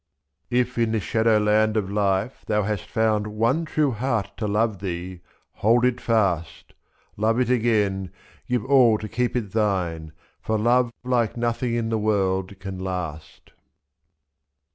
If in this shadowland of life thou hast Found one true heart to love thee, hold it fast; 1 03. Love it again, give all to keep it thine. For love like nothing in the world can last.